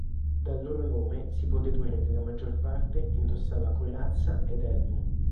Dal loro nome si può dedurre che la maggior parte indossava corazza ed elmo.